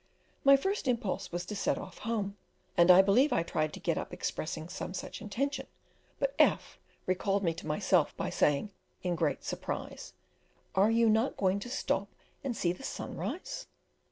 My first impulse was to set off home, and I believe I tried to get up expressing some such intention, but F recalled me to myself by saying, in great surprise, "Are you not going to stop and see the sun rise?"